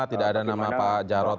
tidak ada nama pak jarod